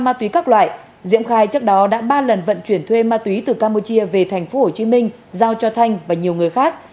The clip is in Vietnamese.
ma túy các loại diễm khai trước đó đã ba lần vận chuyển thuê ma túy từ campuchia về thành phố hồ chí minh giao cho thanh và nhiều người khác